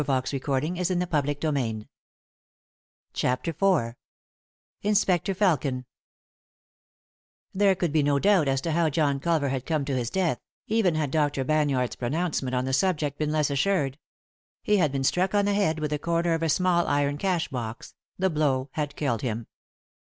And where is he now ?" 3i 9 iii^d by Google CHAPTER IV INSPECTOR FELKIN There could be no doubt as to how John Culver had come to his death, even had Dr. Banyard's pronounce ment on the subject been less assured. He had been struck on the head with the comer of a small iron cash box ; the blow had killed him.